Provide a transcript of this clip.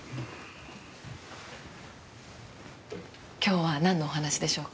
今日は何のお話でしょうか？